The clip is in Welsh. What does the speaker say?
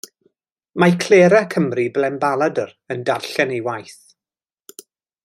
Mae'n clera Cymru benbaladr yn darllen ei waith.